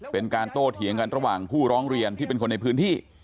เป็นการโตเถียงกันระหว่างผู้ร้องเรียนที่เป็นคนในพื้นที่